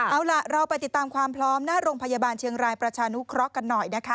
เอาล่ะเราไปติดตามความพร้อมณโรงพยาบาลเชียงรายประชานุคร็อกกันหน่อย